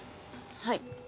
はい。